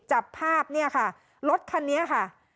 จับภาพเนี่ยค่ะรถคันนี้ค่ะ